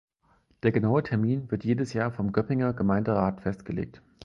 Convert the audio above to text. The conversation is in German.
Der genaue Termin wird jedes Jahr vom Göppinger Gemeinderat festgelegt.